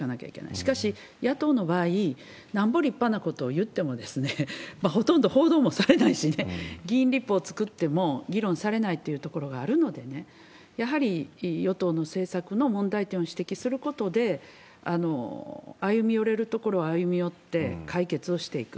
しかし、野党の場合、なんぼ立派なことを言っても、ほとんど報道もされないしね、議員立法作っても議論されないっていうところがあるのでね、やはり与党の政策の問題点を指摘することで、歩み寄れるところは歩み寄って解決をしていく。